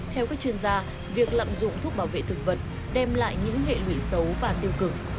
theo các chuyên gia việc lạm dụng thuốc bảo vệ thực vật đem lại những hệ lụy xấu và tiêu cực